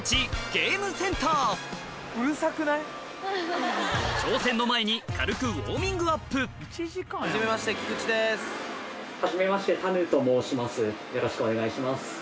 ゲームセンター挑戦の前に軽くウオーミングアップよろしくお願いします。